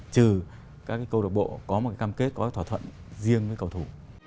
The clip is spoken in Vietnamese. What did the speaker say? trừ các cái câu lạc bộ có một cái cam kết có một cái thỏa thuận riêng với cầu thủ